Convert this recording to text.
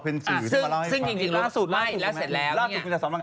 เป็นสื่อที่มาเล่ามาให้ผม